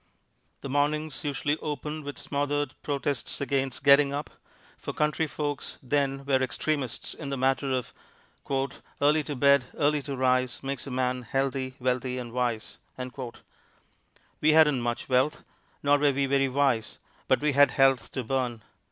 The mornings usually opened with smothered protests against getting up, for country folks then were extremists in the matter of "early to bed, early to rise, makes a man healthy, wealthy and wise." We hadn't much wealth, nor were we very wise, but we had health to burn.